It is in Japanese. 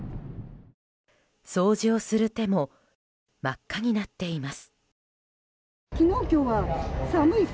掃除をする手も真っ赤になっています。